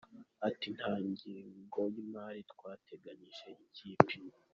Ati “Nta ngengo y’imari twateganyije y’ikipe.